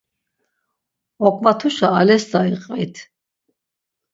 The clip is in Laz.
Oǩvat̆uşa alesta iqvit!